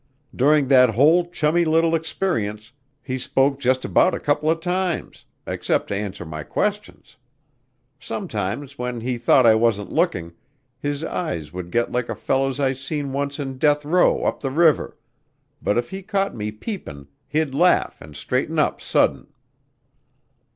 During that whole chummy little experience he spoke just about a couple of times, except to answer my questions. Sometimes when he thought I wasn't looking his eyes would get like a fellow's I seen once in death row up the river, but if he caught me peepin' he'd laugh and straighten up sudden."